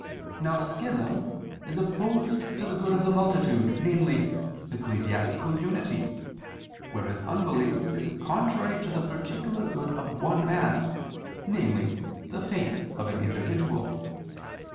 Now schism is opposed to the good of the multitude, namely, ecclesiastical unity, whereas unbelief is contrary to the particular good of one man, namely the faith of an individual.